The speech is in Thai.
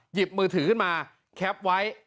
หยิบมือถือขึ้นมาแคปไว้